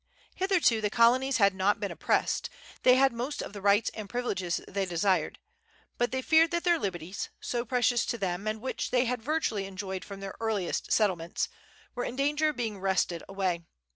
Hitherto the colonies had not been oppressed; they had most of the rights and privileges they desired; but they feared that their liberties so precious to them, and which they had virtually enjoyed from their earliest settlements were in danger of being wrested away.